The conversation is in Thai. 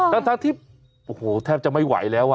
ทั้งที่โอ้โหแทบจะไม่ไหวแล้ว